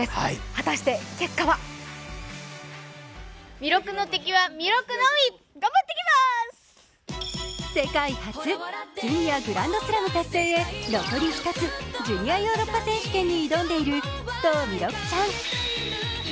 果たして結果は世界初、ジュニアグランドスラム達成へ残り１つ、ジュニアヨーロッパ選手権に挑んでいる須藤弥勒ちゃん。